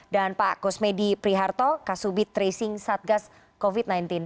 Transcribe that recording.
dan pak kusmedi priharto kasubit tracing satgas covid sembilan belas